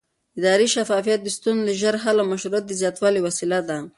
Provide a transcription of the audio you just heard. اداري شفافیت د ستونزو د ژر حل او مشروعیت د زیاتوالي وسیله ده